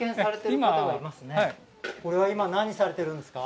今はいこれは今何されてるんですか？